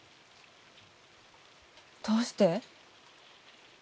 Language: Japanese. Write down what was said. どうして？